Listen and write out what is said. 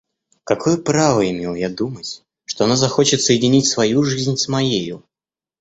Какое право имел я думать, что она захочет соединить свою жизнь с моею?